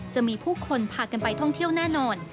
จะมีผู้คนพากันไปท่องเที่ยวแน่นอน